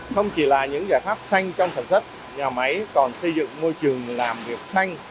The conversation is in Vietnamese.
không chỉ là những giải pháp xanh trong sản xuất nhà máy còn xây dựng môi trường làm việc xanh